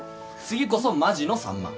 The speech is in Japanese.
次こそマジの３万。